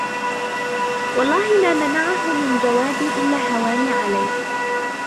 وَاَللَّهِ مَا مَنَعَهُ مِنْ جَوَابِي إلَّا هَوَانِي عَلَيْهِ